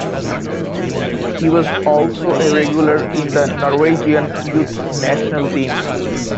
He was also a regular in the Norwegian youth national team.